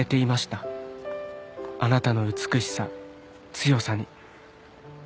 「あなたの美しさ強さに」